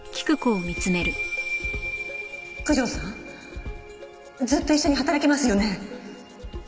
九条さんずっと一緒に働けますよね？